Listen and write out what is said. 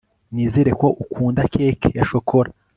nizere ko ukunda cake ya shokora